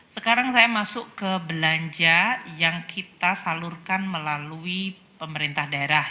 sekarang saya masuk ke belanja yang kita salurkan melalui pemerintah daerah